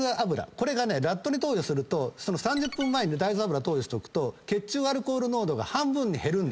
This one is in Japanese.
これがラットに投与すると３０分前に大豆油投与しとくと血中アルコール濃度が半分に減るんですよ。